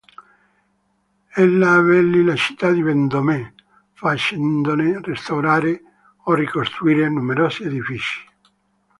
Ella abbellì la città di Vendôme, facendone restaurare o ricostruire numerosi edifici.